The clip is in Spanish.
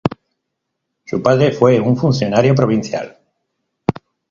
Su padre fue un funcionario provincial.